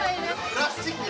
プラスチック？